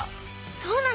そうなの！